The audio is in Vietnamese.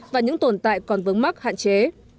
và những tồn tại còn vớng mắc hạn chế